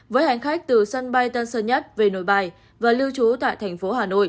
với hành khách từ sân bay tân sân nhất về nội bài và lưu trú tại tp hcm